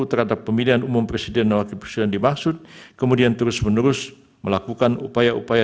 terhadap pemilihan umum presiden dan wakil presiden dimaksud kemudian terus menerus melakukan upaya upaya